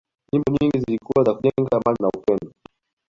nyimbo nyingi zilikuwa za kujenga amani na upendo